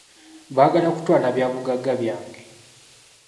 Baagala kutwala bya bugagga byange.